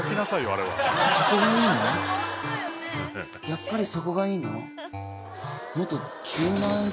やっぱりそこがいいの？